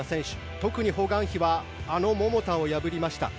特にホ・グァンヒはあの桃田を破りました。